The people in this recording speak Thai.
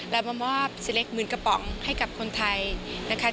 เรามามอบซิเล็กหมื่นกระป๋องให้กับคนไทยนะคะ